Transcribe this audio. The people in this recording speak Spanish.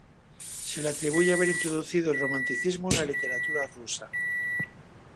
Se le atribuye haber introducido el Romanticismo en la literatura rusa.